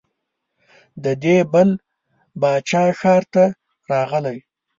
د دې بل باچا ښار ته راغلې.